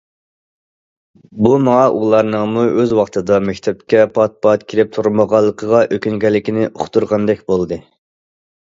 بۇ ماڭا ئۇلارنىڭمۇ ئۆز ۋاقتىدا مەكتەپكە پات- پات كېلىپ تۇرمىغانلىقىغا ئۆكۈنگەنلىكىنى ئۇقتۇرغاندەك بولدى.